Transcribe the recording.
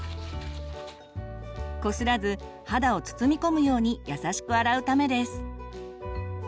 こすらず肌を包みこむようにやさしく洗うためです。